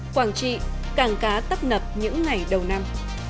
quảng trị cảng cá tấp nập những ngày đầu năm